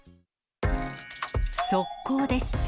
側溝です。